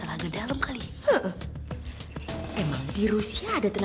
kebanyakan temen temen gue olah temen temen